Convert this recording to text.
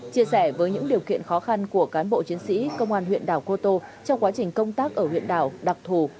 chia sẻ với những điều kiện khó khăn của cán bộ chiến sĩ công an huyện đảo cô tô trong quá trình công tác ở huyện đảo đặc thù